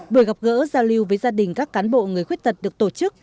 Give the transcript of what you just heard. buổi gặp gỡ giao lưu với gia đình các cán bộ người khuyết tật được tổ chức